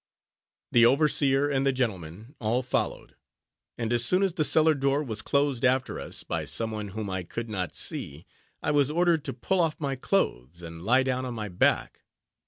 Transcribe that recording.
The overseer, and the gentlemen, all followed; and as soon as the cellar door was closed after us, by some one whom I could not see, I was ordered to pull off my clothes, and lie down on my back.